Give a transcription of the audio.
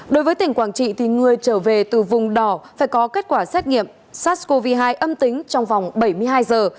đối với tỉnh quảng trị thì người trở về từ vùng đỏ phải có kết quả xét nghiệm sars cov hai âm tính trong vòng bảy mươi hai giờ